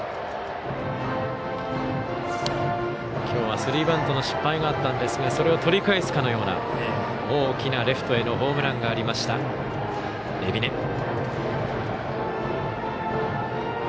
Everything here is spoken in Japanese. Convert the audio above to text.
きょうはスリーバントの失敗があったんですがそれを取り返すかのような大きなレフトへのホームランがありました、海老根。